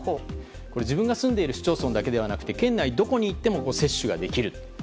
自分が住んでいる市町村だけではなくて県内どこにいても接種ができる。